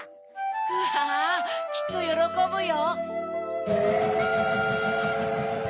わぁきっとよろこぶよ。